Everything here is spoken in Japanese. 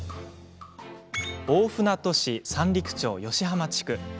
大船渡市三陸町吉浜地区。